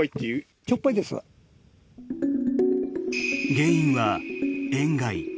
原因は塩害。